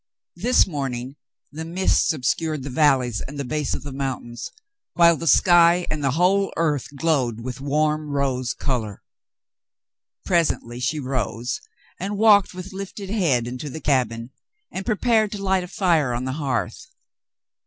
This morning the mists obscured the valleys and the base of the mountains, while the sky and the whole earth glowed with warm rose color. Presently she rose and walked with lifted head into the cabin, and prepared to light a fire on the hearth.